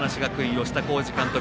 吉田洸二監督。